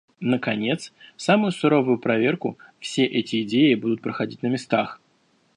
Наконец, самую суровую проверку все эти идеи будут проходить на местах.